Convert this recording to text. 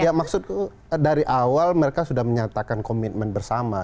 ya maksudku dari awal mereka sudah menyatakan komitmen bersama